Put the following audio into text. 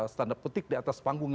tanda petik di atas panggung